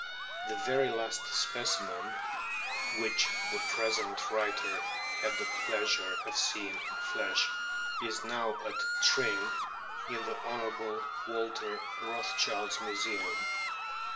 The very last specimen, which the present writer had the pleasure of seeing in the flesh, is now at Tring in the Hon. Walter Rothschild's Museum.